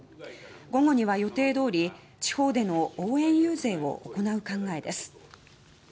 午後には予定どおり地方での応援遊説を行う考えです。